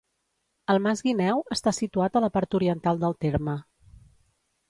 El Mas Guineu està situat a la part oriental del terme.